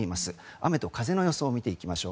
雨と風の予想を見ていきましょう。